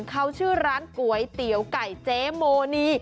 เขาชื่อร้านก๋วยเตี๋ยวไก่เจ๊โมนี